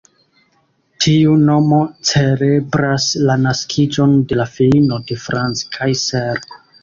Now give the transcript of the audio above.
Tiu nomo celebras la naskiĝon de la filino de Franz Kaiser.